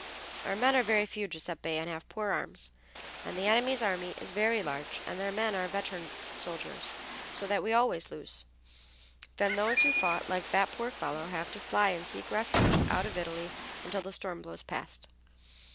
"Our men are very few, Giuseppe, and have poor arms, and the enemy's army is very large and their men are veteran soldiers, so that we always lose. Then those who fought, like that poor fellow, have to fly and seek refuge out of Italy until the storm blows past."